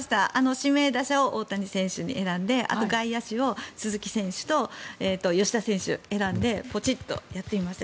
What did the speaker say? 指名打者を大谷選手に選んであと外野手を鈴木選手と吉田選手を選んでポチッとやってみました。